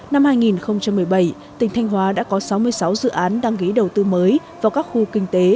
năm hai nghìn một mươi bảy tỉnh thanh hóa đã có sáu mươi sáu dự án đăng ký đầu tư mới vào các khu kinh tế